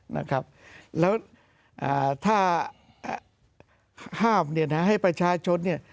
นะครับแล้วอ่าถ้าห้ามเนี่ยนะให้ประชาชนเนี่ย